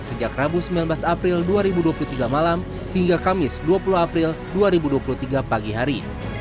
sejak rabu sembilan belas april dua ribu dua puluh tiga malam hingga kamis dua puluh april dua ribu dua puluh tiga pagi hari